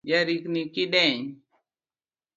Jarikni kideny